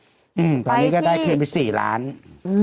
ตอนนี้ก็ได้เข้นไป๔ล้านบาท